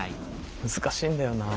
難しいんだよなあ。